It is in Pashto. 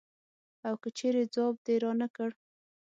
او که چېرې ځواب دې رانه کړ.